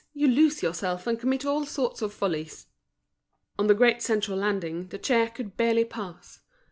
You lose yourself, and commit all sorts of follies." On the great central landing, the chair, could barely pass.